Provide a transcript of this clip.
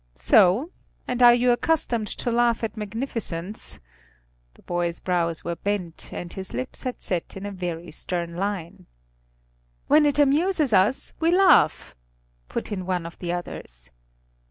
"So? And are you accustomed to laugh at magnificence?" The boy's brows were bent and his lips had set in a very stern line. "When it amuses us we laugh," put in one of the others.